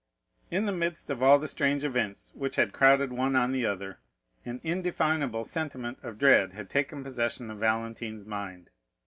In the midst of all the strange events which had crowded one on the other, an indefinable sentiment of dread had taken possession of Valentine's mind.